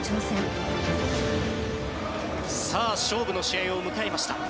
さあ勝負の試合を迎えました。